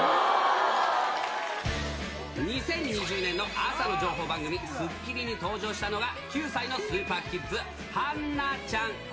２０２０年の朝の情報番組、スッキリに登場したのが、９歳のスーパーキッズ、はんなちゃん。